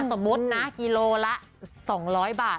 สมมุตินะกิโลละ๒๐๐บาท